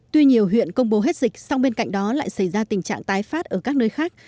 tuy nhiều huyện công bố hết dịch song bên cạnh đó lại xảy ra tình trạng tái phát ở các nơi khác